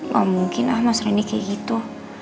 gak mungkin ah mas reni kayak gitu